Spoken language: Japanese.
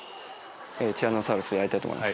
ティラノサウルスやりたいと思います。